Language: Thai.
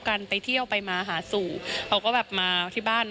อ่าเดี๋ยวฟองดูนะครับไม่เคยพูดนะครับ